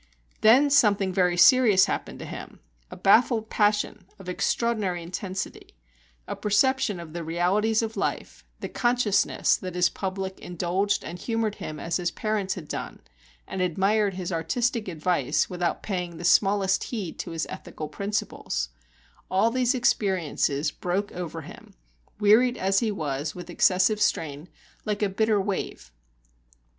Then something very serious happened to him; a baffled passion of extraordinary intensity, a perception of the realities of life, the consciousness that his public indulged and humoured him as his parents had done, and admired his artistic advice without paying the smallest heed to his ethical principles all these experiences broke over him, wearied as he was with excessive strain, like a bitter wave.